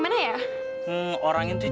udah mau akun tuh